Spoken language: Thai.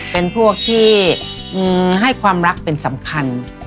เป็นพวกที่ให้ความรักเป็นสำคัญ